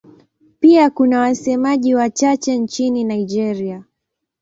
Pia kuna wasemaji wachache nchini Nigeria.